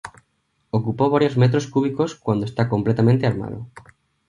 Ocupó varios metros cúbicos cuando está completamente armado.